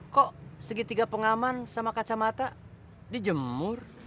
kok segitiga pengaman sama kacamata dijemur